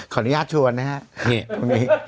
ขออนุญาตชวนนะฮะ